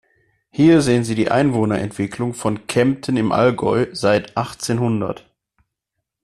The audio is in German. Hier sehen Sie die Einwohnerentwicklung von Kempten im Allgäu seit achtzehnhundert.